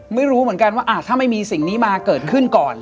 ไม่รู้เหมือนกันว่าถ้าไม่มีสิ่งนี้มาเกิดขึ้นก่อน